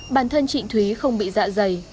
bản thân chị thúy không bị dạ dày